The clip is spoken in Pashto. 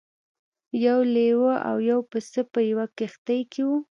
یو لیوه او یو پسه په یوه کښتۍ کې وو.